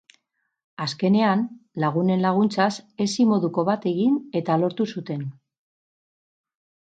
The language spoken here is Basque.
Azkenean, lagunen laguntzaz, hesi moduko bat egin eta lortu zuten.